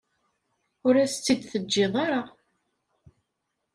Ur as-tt-id-teǧǧiḍ ara.